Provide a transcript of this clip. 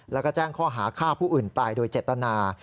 แล้วก็แจ้งข้อหาฆ่าผู้อื่นตายโดยเจตนา